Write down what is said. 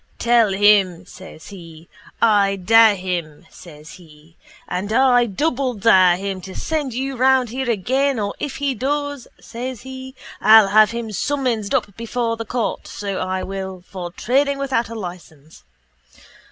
Tell him, says he, I dare him, says he, and I doubledare him to send you round here again or if he does, says he, _I'll have him summonsed up before the court, so I will, for trading without a licence.